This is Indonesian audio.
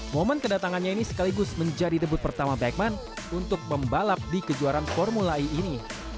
momen kedatangannya ini sekaligus menjadi debut pertama backman untuk membalap di kejuaraan formula e ini